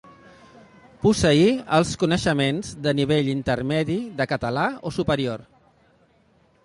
Posseir els coneixements de nivell intermedi de català o superior.